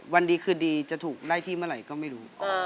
วันดีคืนดีจะถูกได้ที่เมื่อไหร่ก็ไม่รู้